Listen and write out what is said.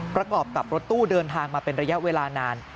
ประกอบกับรถตู้เดินทางมาเป็นระยะเวลานาน